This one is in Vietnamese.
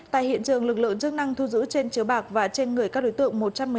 tại hiện trường lực lượng chức năng thu giữ trên chiếu bạc và trên người các đối tượng